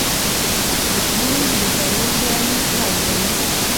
ویکیوم د ذرّو خالي ځای دی.